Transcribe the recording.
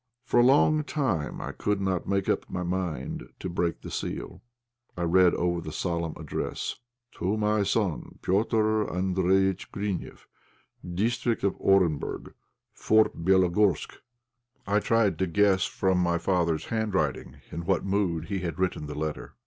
For a long time I could not make up my mind to break the seal. I read over the solemn address: "To my son, Petr' Andréjïtch Grineff, District of Orenburg, Fort Bélogorsk." I tried to guess from my father's handwriting in what mood he had written the letter.